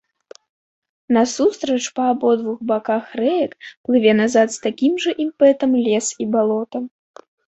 Насустрач па абодвух баках рэек плыве назад з такім жа імпэтам лес і балота.